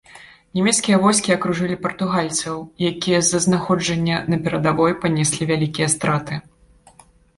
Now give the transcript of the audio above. Нямецкія войскі акружылі партугальцаў, якія з-за знаходжання на перадавой панеслі вялікія страты.